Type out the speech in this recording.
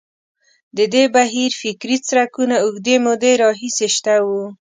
د دې بهیر فکري څرکونه اوږدې مودې راهیسې شته وو.